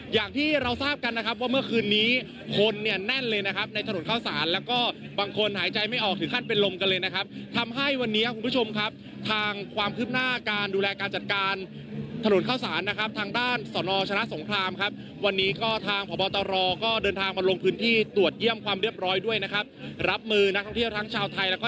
อย่างที่เราทราบกันนะครับว่าเมื่อคืนนี้คนเนี่ยแน่นเลยนะครับในถนนข้าวสารแล้วก็บางคนหายใจไม่ออกถึงขั้นเป็นลมกันเลยนะครับทำให้วันนี้คุณผู้ชมครับทางความคืบหน้าการดูแลการจัดการถนนข้าวสารนะครับทางด้านสนชนะสงครามครับวันนี้ก็ทางพบตรก็เดินทางมาลงพื้นที่ตรวจเยี่ยมความเรียบร้อยด้วยนะครับรับมือนักท่องเที่ยวทั้งชาวไทยแล้วก็